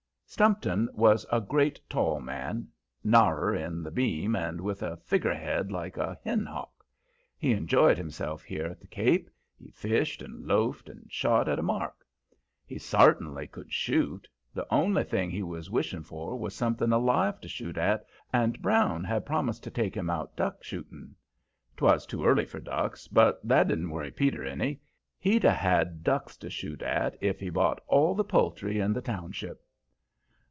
Stumpton was a great tall man, narrer in the beam, and with a figgerhead like a henhawk. He enjoyed himself here at the Cape. He fished, and loafed, and shot at a mark. He sartinly could shoot. The only thing he was wishing for was something alive to shoot at, and Brown had promised to take him out duck shooting. 'Twas too early for ducks, but that didn't worry Peter any; he'd a had ducks to shoot at if he bought all the poultry in the township.